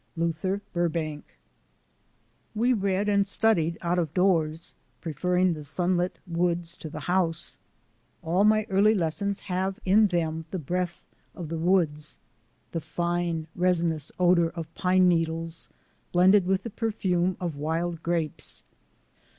— Luther Burbank. WE read and studied out of doors, preferring the sunlit woods to the house. All my early lessons have in them the breath of the woods — the fine, resinous odour of pine needles blended with the perfume of wild grapes.